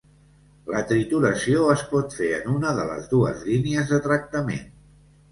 La trituració es pot fer en una de les dues línies de tractament.